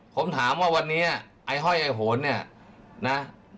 ผมถามว่าวันนี้ไอ้ห้อยไอ้โหนเนี่ยนะ